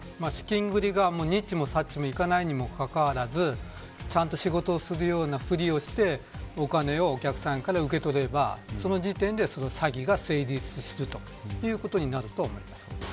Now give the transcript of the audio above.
資金繰りが、にっちもさっちもいかないにもかかわらずちゃんと仕事をするようなふりをしてお金をお客さんから受け取ればその時点で詐欺が成立するということになると思います。